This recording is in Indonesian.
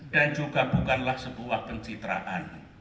dan juga bukanlah sebuah pencitraan